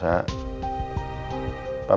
tadi waktu buka puasa